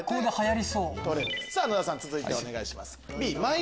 野田さん続いてお願いします。